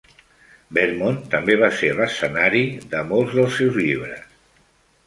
Vermont també va ser l'escenari de molts dels seus llibres.